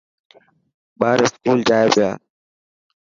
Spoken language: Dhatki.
ٻار اسڪول جائي تا.